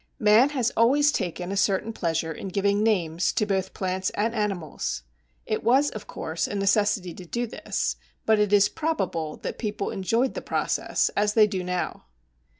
Man has always taken a certain pleasure in giving names to both plants and animals. It was, of course, a necessity to do this, but it is probable that people enjoyed the process as they do now.